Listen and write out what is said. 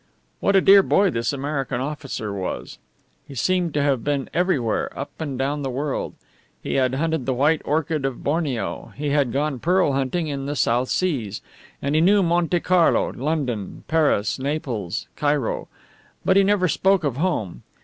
What a dear boy this American officer was! He seemed to have been everywhere, up and down the world. He had hunted the white orchid of Borneo; he had gone pearl hunting in the South Seas; and he knew Monte Carlo, London, Paris, Naples, Cairo. But he never spoke of home.